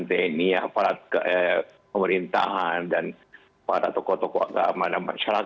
teknik pemerintahan dan para tokoh tokoh agama dan masyarakat